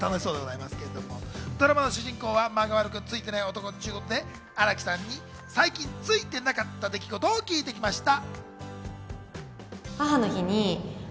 ドラマの主人公は間が悪くついていない男ということで、新木さんに最近ついてなかった出来事を聞いてみました。